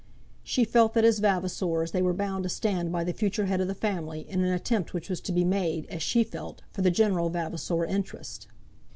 She felt that as Vavasors they were bound to stand by the future head of the family in an attempt which was to be made, as she felt, for the general Vavasor interest.